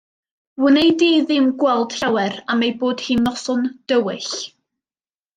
Wnei di ddim gweld llawer am eu bod hi'n noson dywyll.